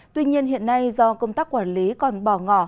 tuy nhiên hiện nay do công tác quản lý còn bỏ ngỏ